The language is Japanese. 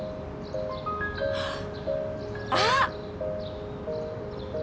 あっ！